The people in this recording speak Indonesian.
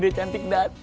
udah cantik de